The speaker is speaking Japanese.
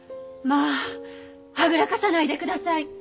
まあはぐらかさないでください！